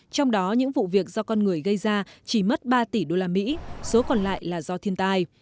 trong đó những vụ việc do con người gây ra chỉ mất ba tỷ usd số còn lại là do thiên tai